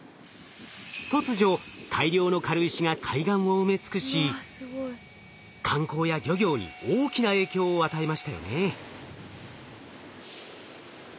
突如大量の軽石が海岸を埋め尽くし観光や漁業に大きな影響を与えましたよね。